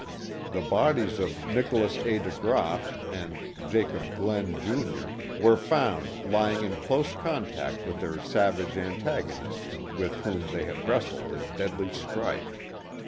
The bodies of Nicholas A. DeGraaf and Jacob Glen, Jr., were found lying in close contact with their savage antagonists, with whom they had wrestled in deadly strife.